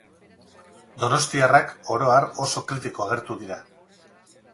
Donostiarrak, oro har, oso kritiko agertu dira.